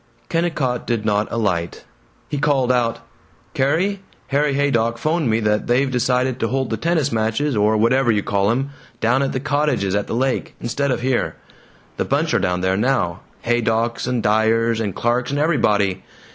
Kennicott did not alight. He called out, "Carrie! Harry Haydock 'phoned me that they've decided to hold the tennis matches, or whatever you call 'em, down at the cottages at the lake, instead of here. The bunch are down there now: Haydocks and Dyers and Clarks and everybody.